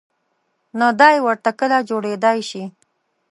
نه دای ورته کله جوړېدای شي.